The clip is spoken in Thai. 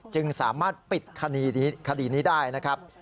จึงสามารถปิดคดีนี้ได้นะครับ